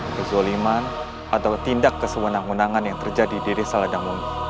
kezoliman atau tindak kesewenang wenangan yang terjadi di desa ladangon